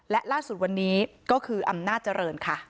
และล่าสุดวันนี้ก็คืออำนาจเจริญค่ะ